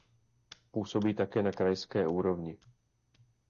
Působí také na krajské úrovni.